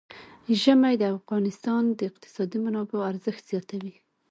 ژمی د افغانستان د اقتصادي منابعو ارزښت زیاتوي.